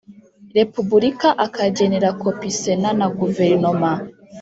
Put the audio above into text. Repubulika akagenera kopi Sena na Guverinoma